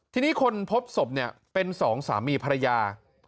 ทีนี้คนพบศพเนี่ยเป็นสองสามีภรรยา